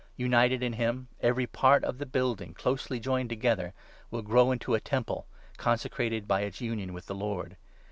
United in him, every part of the building, closely 21 joined together, will grow into a Temple, consecrated by its union with the Lord.